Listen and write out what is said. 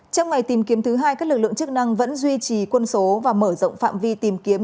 trong ngày tìm kiếm thứ hai các lực lượng chức năng vẫn duy trì quân số và mở rộng phạm vi tìm kiếm